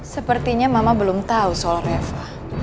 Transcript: sepertinya mama belum tahu soal reva